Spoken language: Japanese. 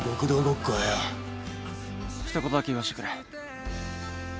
一言だけ言わしてくれ。